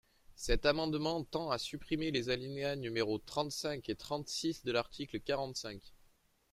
Cet amendement tend à supprimer les alinéas numéros trente-cinq et trente-six de l’article quarante-cinq.